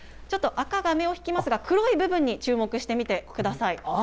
ちょっと赤が目を引きますが、黒い部分に注目してみてください。